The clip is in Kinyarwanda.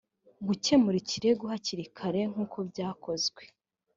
gukemura ikirego hakiri kare nk uko byakozwe